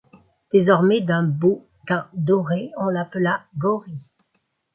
Désormais d'un beau teint doré, on l'appela Gaurî.